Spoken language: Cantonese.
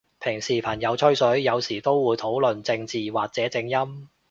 平時朋友吹水，有時都會討論正字或者正音？